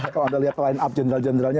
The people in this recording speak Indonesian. kalau anda lihat line up general generalnya